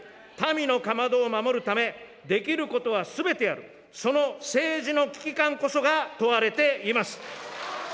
民のかまどを守るため、できることはすべてやる、その政治の危機感こそが問われています。